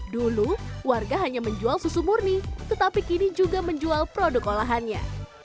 dulu warga hanya menjual susu murni tetapi kini juga menjual produk olahannya